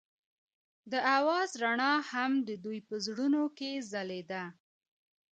د اواز رڼا هم د دوی په زړونو کې ځلېده.